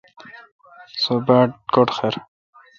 سو باڑ کٹخر۔